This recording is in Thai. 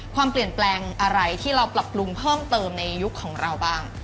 ความเปลี่ยนแปลงอะไรที่เราปรับปรุงเพิ่มเติมในยุคของเราบ้าง